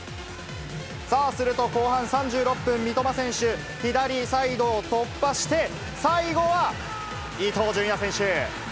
さあ、すると後半３６分、三苫選手、左サイドを突破して、最後は伊東純也選手。